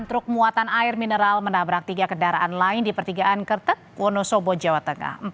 truk muatan air mineral menabrak tiga kendaraan lain di pertigaan kertek wonosobo jawa tengah